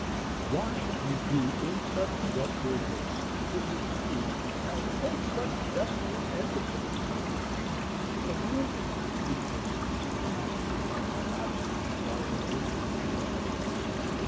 Why should we be in such desperate haste to succeed, and in such desperate enterprises? If a man does not keep pace with his companions, perhaps it is because he hears a different drummer.